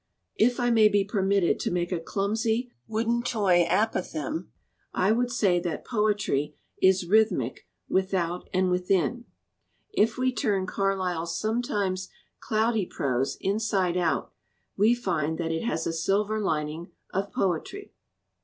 If I may be permitted to make a clumsy wooden toy apothegm I would say that poetry 279 LITERATURE IN THE MAKING is rhythmic without and within. If we turn Carlyle's sometimes cloudy prose inside out we find that it has a silver lining of poetry.